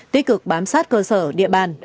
tích cực bám sát cơ sở địa bàn